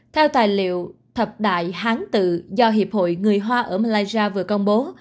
theo tài liệu thập đại hán tự do hiệp hội người hoa ở malaysia vừa công bố